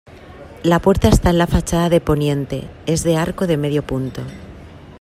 La puerta está en la fachada de poniente, es de arco de medio punto.